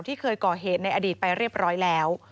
ที่เคยก่อเหตุในอดีตไปเรียบร้อยแล้ว